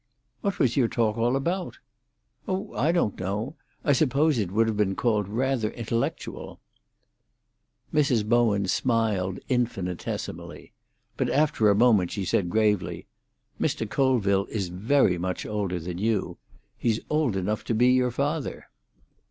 "What was your talk all about?" "Oh, I don't know. I suppose it would have been called rather intellectual." Mrs. Bowen smiled infinitesimally. But after a moment she said gravely, "Mr. Colville is very much older than you. He's old enough to be your father."